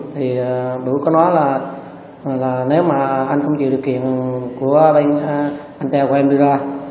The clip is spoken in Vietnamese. thì bữa có nói là nếu mà anh không chịu điều kiện của anh trai của em đi ra